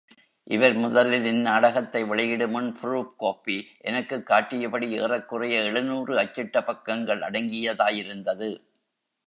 இவர் முதலில் இந்நாடகத்தை வெளியிடு முன் ப்ரூப் காபி எனக்குக் காட்டியபடி ஏறக்குறைய எழுநூறு அச்சிட்ட பக்கங்கள் அடங்கியதாயிருந்தது!